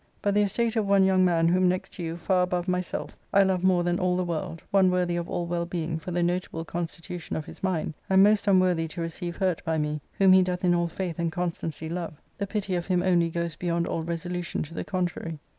But the estate of one young man whom, next to you, far above myself, I love more than all the world, one worthy of all well being for the notaUe constitution of his mind, and most unworthy to receive hurt by me, whom he doth in all faith and constancy love, the pity of him only goes beyond all resolution to the contrary."